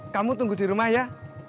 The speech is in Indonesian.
kamu tunggu di rumah ya